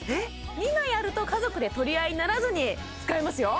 ２枚あると家族で取り合いにならずに使えますよ